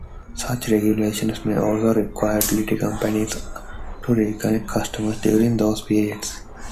Such regulations may also require utility companies to reconnect customers during those periods.